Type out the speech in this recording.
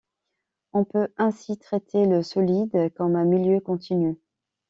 On peut ainsi traiter le solide comme un milieu continu.